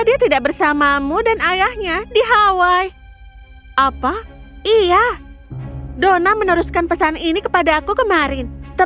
kita tidak pernah membutuhkan bantuan